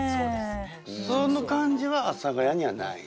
その感じは阿佐ヶ谷にはない？